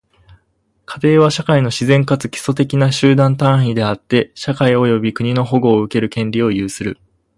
家庭は、社会の自然かつ基礎的な集団単位であって、社会及び国の保護を受ける権利を有する。